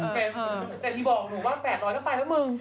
แต่ที่บอกหนูว่า๘๐๐แล้วไปแล้วมึง